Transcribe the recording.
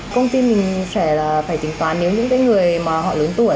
công ty mình sẽ phải trình toán những người lớn tuổi